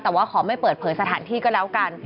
แต่ว่าขอไม่เปิดเผยสถานที่ก็แล้วกัน